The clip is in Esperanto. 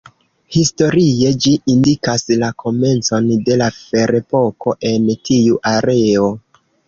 Historie ĝi indikas la komencon de la ferepoko en tiu areo.